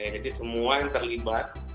jadi semua yang terlibat